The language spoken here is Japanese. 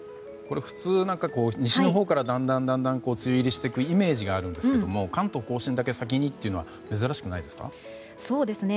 普通、西のほうからだんだんと梅雨入りしていくイメージがあるんですが関東・甲信だけ先にというのは珍しくないですか？